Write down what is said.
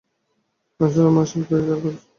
আসলে, মা সিল শিকার করছিল।